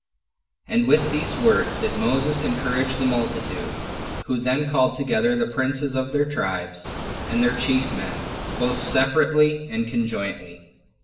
3. And with these words did Moses encourage the multitude, who then called together the princes of their tribes, and their chief men, both separately and conjointly.